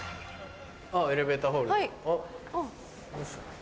あぁエレベーターホールだ。